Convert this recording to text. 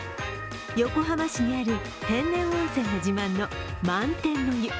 横浜市にある天然温泉が自慢の満天の湯。